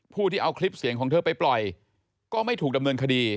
ที่เอาคลิปเสียงของเธอไปปล่อยก็ไม่ถูกดำเนินคดี